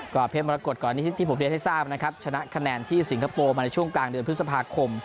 เพชรมรกฏก่อนนี้ที่ผมเรียนให้ทราบนะครับชนะคะแนนที่สิงคโปร์มาในช่วงกลางเดือนพฤษภาคม